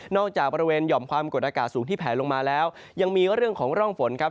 จากบริเวณหย่อมความกดอากาศสูงที่แผลลงมาแล้วยังมีเรื่องของร่องฝนครับ